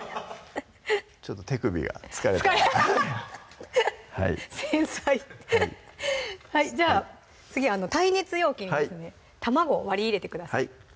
ちょっと手首が疲れた繊細はいじゃあ次耐熱容器にですね卵を割り入れてください